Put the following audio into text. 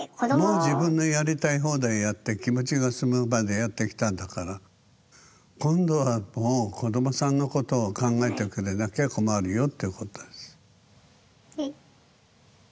もう自分のやりたい放題やって気持ちが済むまでやってきたんだから今度はもう子どもさんのことを考えてくれなきゃ困るよってことです。